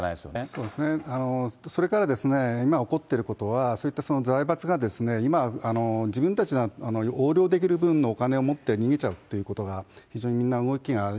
そうですね、それから今起こっていることはそういった財閥が今、自分たちが横領できる分のお金をもって逃げちゃうということが、国外に。